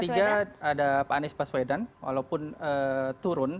peringkat ketiga ada pak anies baswedan walaupun turun